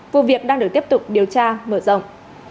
vụ việc đang được tiếp tục điều tra